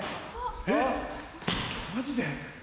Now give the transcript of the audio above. えっマジで？